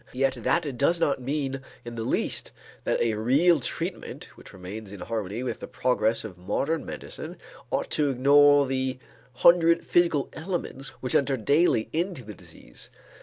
Yet that does not mean in the least that a real treatment which remains in harmony with the progress of modern medicine ought to ignore the hundred physical elements which enter daily into the disease.